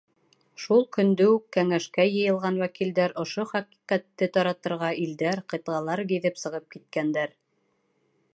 Шул көндө үк кәңәшкә йыйылған вәкилдәр ошо хәҡиҡәтте таратырға илдәр, ҡитғалар гиҙеп сығып киткәндәр.